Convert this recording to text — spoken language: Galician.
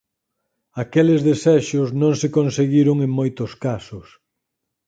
Aqueles desexos non se conseguiron en moitos casos.